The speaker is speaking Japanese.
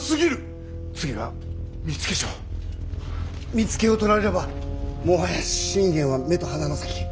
見附を取られればもはや信玄は目と鼻の先。